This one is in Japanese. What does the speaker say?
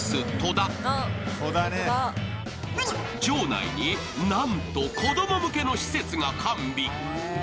場内になんと子供向けの施設が完備。